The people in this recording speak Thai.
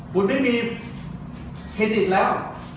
ขุมันไม่มีเคดิตแล้ว